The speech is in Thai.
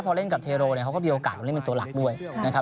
พอเล่นกับเทโรเนี่ยเขาก็มีโอกาสมาเล่นเป็นตัวหลักด้วยนะครับ